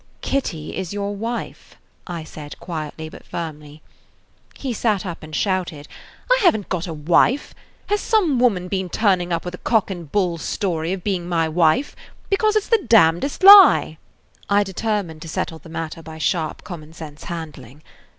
"Kitty is your wife," I said quietly, but firmly. He sat up and shouted: "I haven't got a wife! Has some woman been turning up with a cock and bull story of being my wife? Because it 's the damnedest lie!" I determined to settle the matter by sharp, common sense handling.